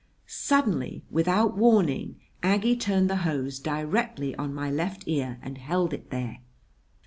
Suddenly, without warning, Aggie turned the hose directly on my left ear and held it there.